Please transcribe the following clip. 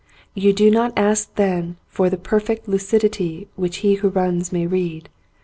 You do not ask then for the perfect lucidity which he who runs may read.